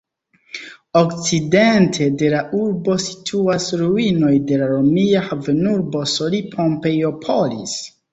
Okcidente de la urbo situas ruinoj de la romia havenurbo Soli-Pompeiopolis.